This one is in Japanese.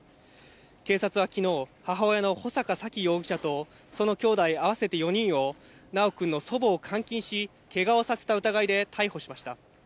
警察はきのう、母親の穂坂沙喜容疑者と、そのきょうだい合わせて４人を、修くんの祖母を監禁し、けがをさせた疑いで逮捕しました。